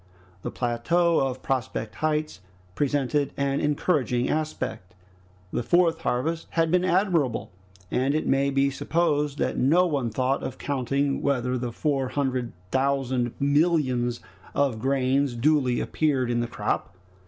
The plateau of Prospect Heights presented an encouraging aspect. The fourth harvest had been admirable and it may be supposed that no one thought of counting whether the four hundred thousand millions of grains duly appeared in the crop.